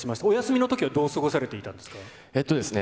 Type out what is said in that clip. お休みのときはどう過ごされていたんですか？